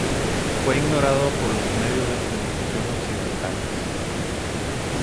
Fue ignorado por los medios de comunicación occidentales.